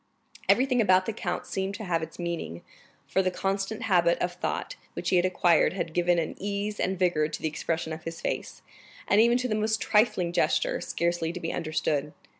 Everything about the count seemed to have its meaning, for the constant habit of thought which he had acquired had given an ease and vigor to the expression of his face, and even to the most trifling gesture, scarcely to be understood.